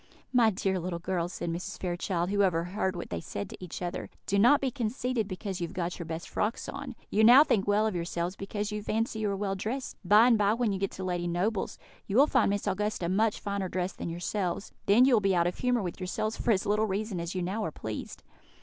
"My dear little girls," said Mrs. Fairchild, who overheard what they said to each other, "do not be conceited because you have got your best frocks on. You now think well of yourselves, because you fancy you are well dressed; by and by, when you get to Lady Noble's, you will find Miss Augusta much finer dressed than yourselves; then you will be out of humour with yourselves for as little reason as you now are pleased."